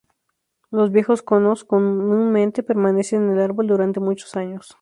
Los viejos conos comúnmente permanecen en el árbol durante muchos años.